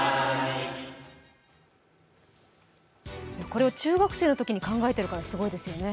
これを中学生のときに考えているからすごいですね。